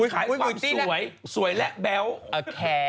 คุณขายความสวยสวยแล้วแบบ